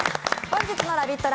本日の「ラヴィット！」